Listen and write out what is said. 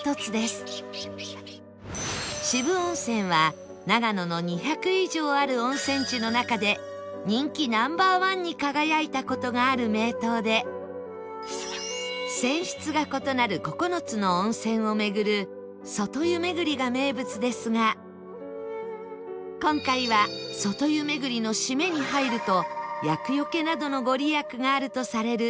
渋温泉は長野の２００以上ある温泉地の中で人気 Ｎｏ．１ に輝いた事がある名湯で泉質が異なる９つの温泉を巡る外湯巡りが名物ですが今回は外湯巡りの締めに入ると厄よけなどの御利益があるとされる